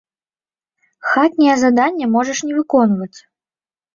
Хатняе заданне можаш не выконваць.